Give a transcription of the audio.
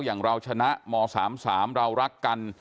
อย่างเราชนะม๓๓เรารักกัน